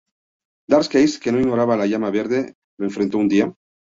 Darkseid, que no ignoraba a la Llama Verde, lo enfrentó un día.